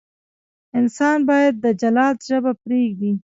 انسان باید د جلاد ژبه پرېږدي.